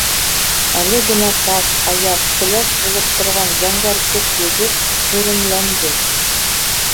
Әле генә саф, аяҙ, көләс булып торған зәңгәр күк йөҙө һөрөмләнде.